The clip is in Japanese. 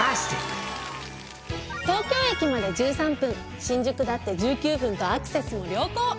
東京駅まで１３分新宿だって１９分とアクセスも良好。